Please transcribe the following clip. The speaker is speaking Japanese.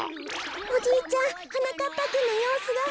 おじいちゃんはなかっぱくんのようすが。